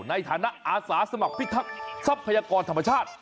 ในฐานะอาสาสมัครพิทักษ์ทรัพยากรธรรมชาติ